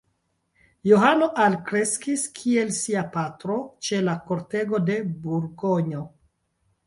Johano alkreskis kiel sia patro ĉe la kortego de Burgonjo.